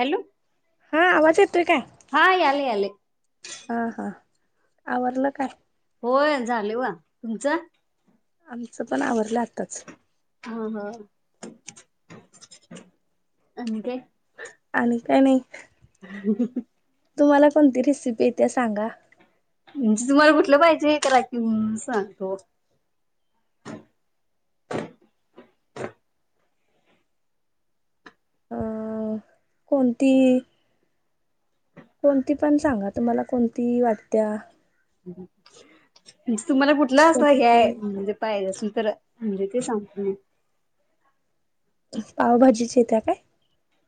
Hello हा आवाज येतोय काय? हा याले याले हा हा आवरलं काय? होय झालेवं व तुमचं? आमचं पण आवरलं आ हा हा आणि काय? आणि काय नाही तुम्हाला कोणती रेसिपी येते सांगा म्हणजे तुम्हाला कुठलं पाहिजे हे कला की सांगतो अ कोणती कोणती पण सांगा तुम्हाला कोणती वाटत्या हम् म्हण तुम्हाला कुठला असं हेय सोपी म्हणजे पाहिजस म्हज ते सांप पावभाजीचे येत्या काय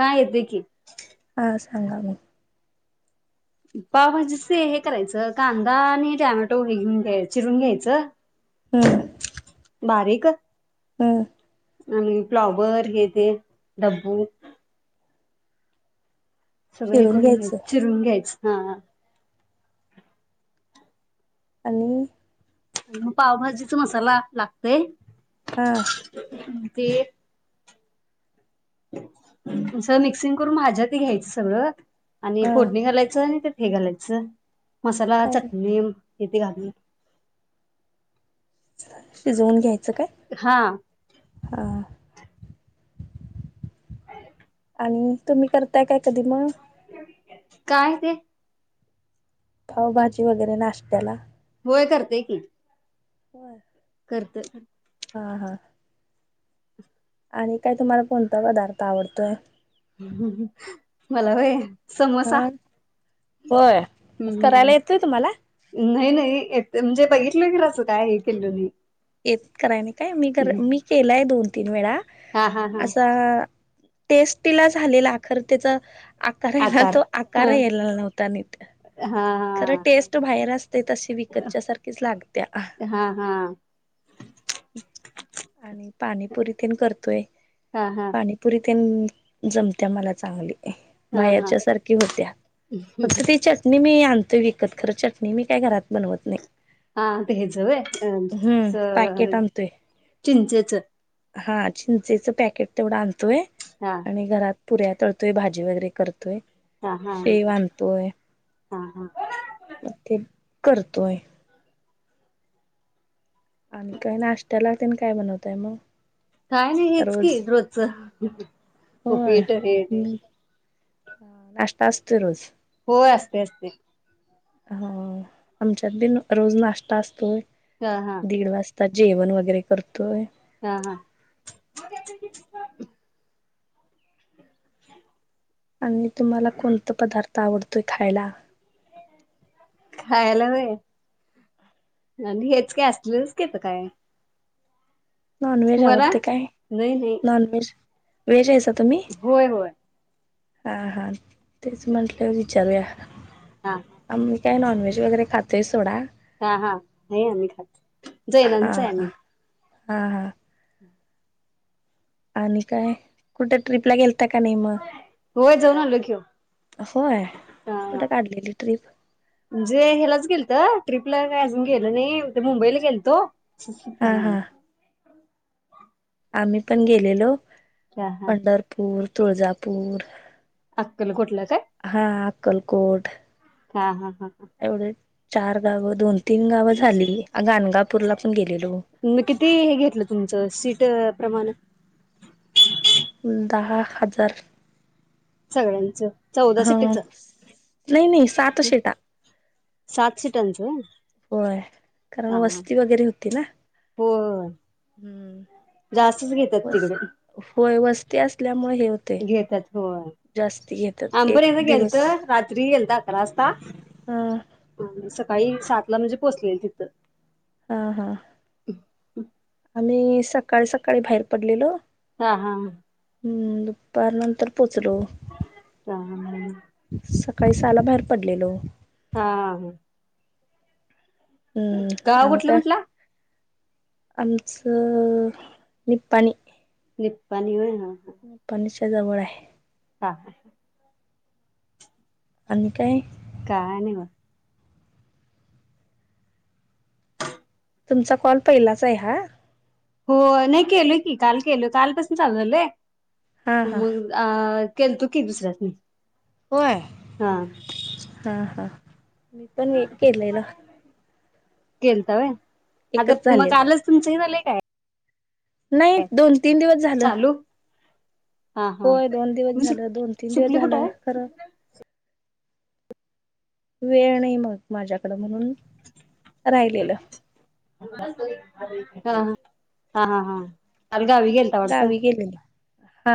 हा येेत की हा सांगा म पावभाजीच हे करायचं कांदा आणि टॅमॅटो हे घेऊन्या चिरून घ्यायचं हम्म बारीक हम्म आणि फ्लाॉवरर घेते डब्बू सगळे चिरून करून घ्यायच घ्यायचं चिरून घ्यायच हा आणि मग पावभाजीचा मसाला लागतोय हा ह ते तुच मिक्सिंग करून माझ्यात घ्यायचं सगळं आणि हा फोडणी घालायचं आणि हे गलाच मसाला काय चटन येत खात शिजवून घ्यायचं काय हा हां आणि तुम्ही करताय काय कधी मग काय ते पावभाजी वगैरे नाश्त्याला वय करते की होर करत हां हां आणि काय तुम्हाला कोणता पदार्थ आवडतोय मला वय समोसा होयस हम्म करायला येतोय तुम्हाला नाही म्हणजे बघितलं के असं काय हे केल्लो येत कराय नाही काय मी मी केलाय दोन तीन वेळा हा हा हा असा टेस्टिला झालेला अखर त्याचा आकार आहे ना तो आकार येलेला नव्हता नित हा खरं टेस्ट बाहेर अस तशी विकतच्या सारखीच लागत्या हा हा हा आणि पाणीपुरी तेण करतोय हा हा ते जमत्या मला चांगली हा हा बाहेरच्या सारखी होत्या फक्त ती चटणी मी आण त विकत खरं चटणी मी काय घरात बनवत नाही हा ते हेजव आहे हम्म अ अ पॅकेट आणतोय चिंचिच च हा चिंचेचं पॅकेट तेवढं आणत हा आणि घरात पुऱ्या तळतोय भाजी वगैरे करतोय हा हा श वानतोय हा हा मे करतोय आणि काय नाष्ट्याला तेन काय बनवताय मग काय नाही हेच की रोज रोजच उपीट हे ह नाश्ता असतोय रोज हो असते असते हो आमच्यात बी रोज नाश्ता असतोय हा हा दीड वाजता जेवण वगैरे करतोय ह ह आणि तुम्हाला कोणता पदार्थ आवडतोय खायला खायला व्हय आणि हेच कि काय असलंच घेत काय नॉनव्हेज तुम्हाला आवडते काय नाही नाही नॉन व्हेज वेज हैसा होय होय हा हा तेच म्हटलं विचारूया हा आम्ही काय नॉनव्हेज वगैरे खातोय सोडा हा हा नाही आम्ही खात हा जैनांचं आहे आम्ही हा हा हा आणि काय कुठे ट्र्रीपला गेल त्या का नाही म होय जाऊन आलो की ओ होय उठ हा काढलेली ट्रिप म्हणजे ह्यालाच गेलत ट्रीपला काही अजून गेलं नाही मुंबईला गेलतो स हा फर हा आम्ही पण गेलेलो हा हा पंढरपूर तुळजापूर अक्कलकोटला काय हा अक्कलकोट हा हा हा हा एवढ चार गावं दोन तीन गावं झाली गाणगापूरला पण गेलेलो मग किती हे घेतलं तुमचं सीट प्रमाण दहा हजार सगळ्यांचं चौदा ह सिटीच नाही नाही सात शेटा सातशे टंच होय कारण वस्ती वगैरे होती ना हो हम्म बस तिकडे होय बस ते असल्या घेतात हो जास्ती घेतात एक आमपर्यंत गेल दिवस तर रात्री गेल तर अकरा वाजता हा सकाळी सात ला म्हणजे पोचलेल तिथं हा हा आम्ही सकाळी सकाळी बाहेर पडलेलं हा हा हम् दुपार नंतर प ह काहीसाला बाहेर पडलेलो हा हम्म गाव आणि कुठलं काय म्हटला आमचं निपाणी पाणी होय ना पणच त्याच्याजवळ आहे हा आणि काय? काय आणि व्ह तुमचा कॉल पहिलाच आहे हा? हो नाही केलय की, काल केल, कालपासून चालू झालंय? हा हा मुग डाळ केलतो की दुसऱ्यासनी व्हय हा हा, हा मी पण, एक केलेला. केलता वय? आग एकच म झालेला कालच तुमच हे झालंय? काय नाही दोन तीन दिवस झालं, चालू हा हा होय दोन दिवस मी सु झालं, दोन तीन दिवस सुपली कुठे झालं आहे खरं. वेळ नाही मग माझ्याकडं, म्हणून राहिलेलं. हा ह हा हा हा काल गावी गेलता वाटतं गावी गेलेली, हा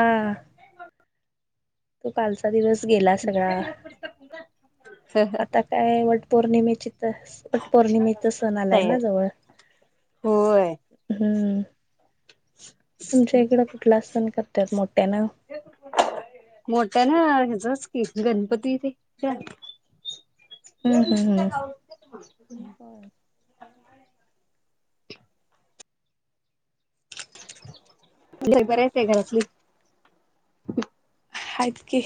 तो कालचा दिवस गेला सगळा, आता काय वट पौर्णिमेची वट पौर्णिमेचा सण आलाय तयारी ना जवळ, होय हम्म तुमच्या इकडं कुठला सण करतात मोठ्यानं? मोठ्या ना, हेचच गणपती ते [unintelligible] हे हम्म गोष्टी हम्म कावडते [inaudible] घर बरच आहे घरातली. हाईत की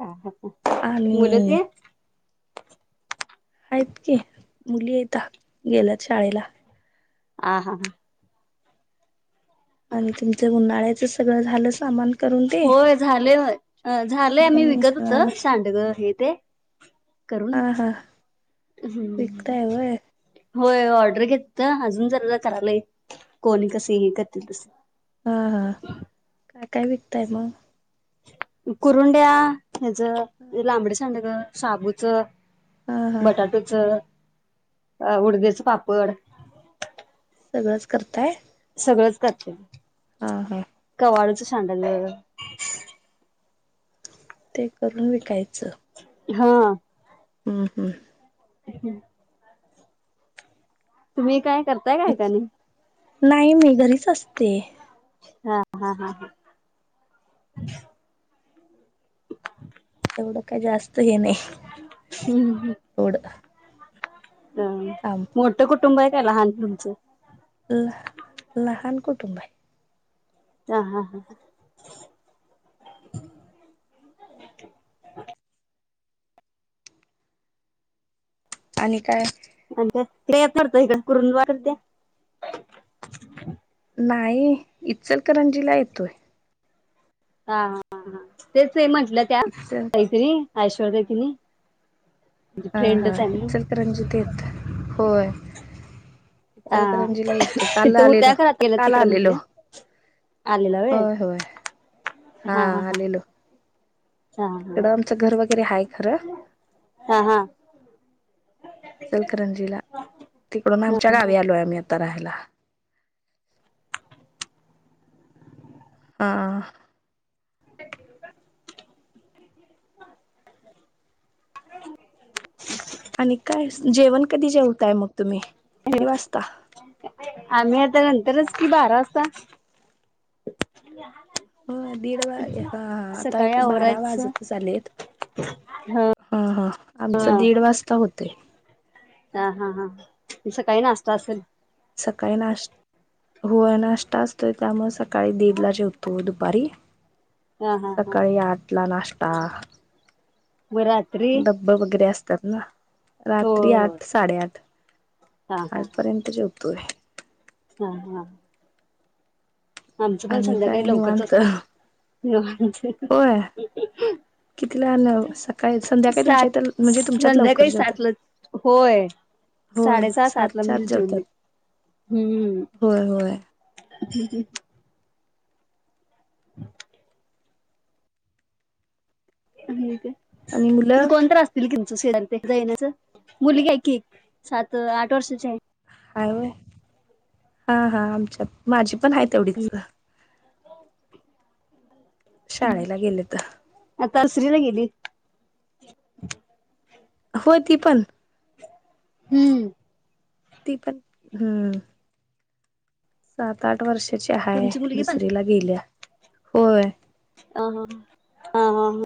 ह हा आणि आहेत की, मुली हैता, गेल्यात शाळेला. आ, हा आणि तुमचं, उन्हाळ्याच सगळं झालं सामान करून ते होय झालंय, झालंय मी हा विकत होत सांडग हे ते. करून हा हा हम्म विकताय वय होय ऑर्डर घेत अजून जरा करायला कोणी कस हे करतील तसे हा हा काय काय विकतय मग कुरुंड्या हच लांबडी सांडग साबूचं हा हा बटाटोच अ उडदेच पापड सगळंच करताय सगळंच [unintelligible] हा हा सांडलं ते करून विकायच च हा हम्म हम्म हम्म तुम्ही काय करताय काय का एकाने नाही मी घरीच असते हा हा हा हा [inaudible] तेवढं का जास्त हे नाही हम् एवढं हम काम मोठं कुठ कुटुंब आहेय लहान ल लहान कुटुंब आहे हा हा हा आणि काय [unintelligible] [unintelligible] [inaudible] नाही इचलकरंजीला येतोय हा हा ह हा तेच म्हंटलं त्या इचल त ति ऐश्वर्या तिनी हा हा फ्रेंडच आहे हे ना चल तर रणजित येत होय हा इचलकरंजीला येतोय काल तथ उ आलेलो त्या खरात केलं काल तिकड आलेलो म्हटले आलेला वय होय होय हा ह ह तिकडं आमचं घर वगैरे हाय खरं हा हा इचलकरंजीलातिकडून हा आमच्या गावी आलोय आम्ही आता राहायला अ अ आणि काय जेवण कध जेवतय मग तुम्ही किती वाजता आमही आता तरच कि बारा असता हा दीड वा हा हा आता सकाळी एक बारा आवरायचं वाजत चालेत ह हा हा आमच दीड वाजता होत के ह हा हा तुमच काही नाश्ता असेल सकाळी नाश हो नाष्ट्ता असतोय त्यामु सकाळी दीडला जेवतो दुपारी हा हा हा सकाळी आठ ला नाश्ता कत्ताा मग रात्री डब्ब वगैरे असत त्याला हो रात्री हो आठ साडेआठ हा तपर्यंत चोप त हम हा आमचं पण आणि काय संध्याकाळी लवकरच निवांत असते हा. होय कितीला न सकाळी संध्याकाळी तुमच्या सात इथ म्हणजे तुमच्यात लवकर संध्याकाळी सातला जेवतात होय हो साडे सहा सातला सातच्या म्हणजे आत जेवली जेवतात हम्म होय होय [unintelligible] [unintelligible] आणि इथे आणि इ मुलं कोणतरी असतील कि मग [unintelligible] मुलगी आहे की एक सात आठ वर्षाची आहे कायओ हा हा आमच्या माझी पण आहे तेवढीच शाळेला गेलेत कितविला गेली? हो ती पण हम्म. ती पण हा. सात आठ- आठ वर्षाची हाय तुमची मुलगी दुसरीला गेल्या होय. अह अह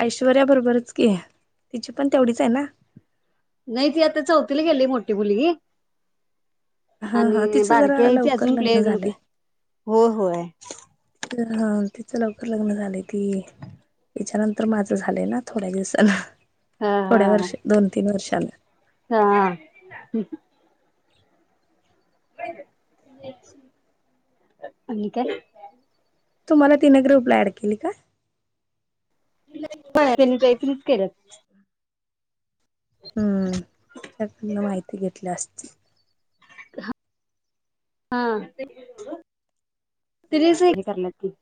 ऐश्वर्या बरोबरच की तिची पण तेवढीच आहे ना नाही ती आता चौथला गेली मोठी मुलगी हा हा आणि तिचं बारकी जरा आहे ती लवकर अजून प्ले लग्न ग्रुपला आहे. झालंय हो होय. हा, तिचं लवकर लग्न झालय ती तीच्यानंतर माझं झालंय ना थोड्याच दिवसानं हा हा थोड्या वर्ष, दोन तीन वर्षे झाल हा. आणि काय? तुम्हाला तिनी ग्रुपला ऍड केली का? [unintelligible] हम्म. तिच्या कडन माहिती घेतली असतील हा तीनच हे करल्यात की